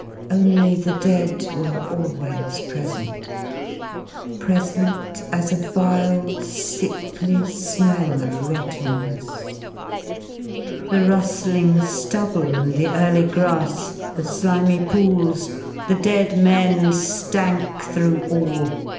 Only the dead were always present — present As a vile sickly smell of rottenness; The ruSllmg flubble and the early grass. The slimy pools — the dead men flank through all.